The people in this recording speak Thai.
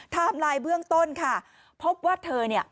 ไลน์เบื้องต้นค่ะพบว่าเธอเนี่ย